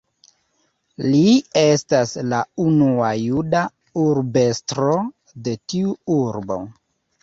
Li estas la unua juda urbestro de tiu urbo.